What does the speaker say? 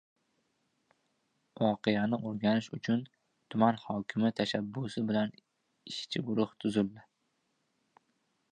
Voqeani o‘rganish uchun tuman hokimi tashabbusi bilan ishchi guruh tuzildi